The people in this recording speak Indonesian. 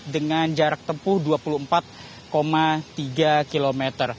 dengan jarak tempuh dua puluh empat tiga km